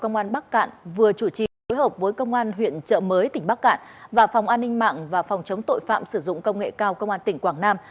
công an bắc cạn vừa chủ trì phối hợp với công an huyện trợ mới tỉnh bắc cạn và phòng an ninh mạng và phòng chống tội phạm sử dụng công nghệ cao công an tỉnh quảng nam